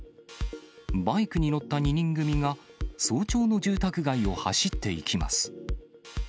バイクに乗った２人組が、早朝の住宅街を走っていきます。